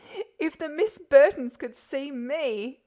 "IF the Miss Burtons could see me!"